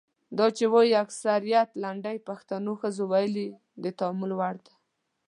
دا چې وايي اکثریت لنډۍ پښتنو ښځو ویلي د تامل وړ ده.